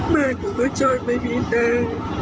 บ้านหนูก็จอดไม่มีใน